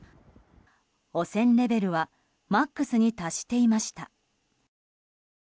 汚染レベルはマックスに達していました。